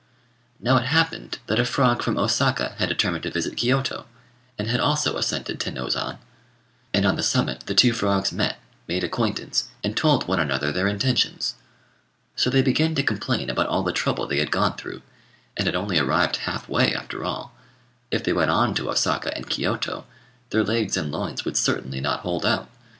Now it so happened that a frog from Osaka had determined to visit Kiôto, and had also ascended Tenôzan; and on the summit the two frogs met, made acquaintance, and told one another their intentions. So they began to complain about all the trouble they had gone through, and had only arrived half way after all: if they went on to Osaka and Kiôto, their legs and loins would certainly not hold out.